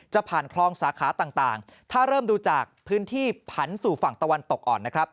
ผ่านคลองสาขาต่างถ้าเริ่มดูจากพื้นที่ผันสู่ฝั่งตะวันตกก่อนนะครับ